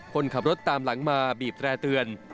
คนขับรถตามหลังมาบีบแตร่เตือน